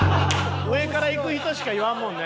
上からいく人しか言わんもんね。